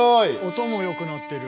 音も良くなってる。